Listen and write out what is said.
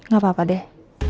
gak apa apa deh